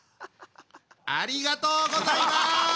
ありがとうございます！